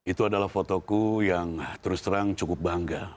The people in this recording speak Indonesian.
itu adalah fotoku yang terus terang cukup bangga